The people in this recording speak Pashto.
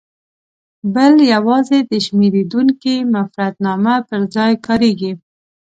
بل یوازې د شمېرېدونکي مفردنامه پر ځای کاریږي.